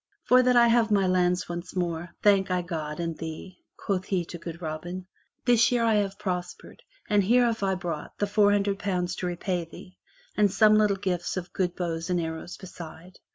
"For that I have my lands once more, thank I God, and thee," quoth he to good Robin. "This year have I prospered, and here have I brought the four hundred pounds to repay thee, and some little gifts of good bows and arrows beside."